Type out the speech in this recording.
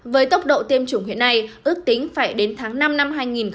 với tốc độ tiêm chủng hiện nay ước tính phải đến tháng năm năm hai nghìn hai mươi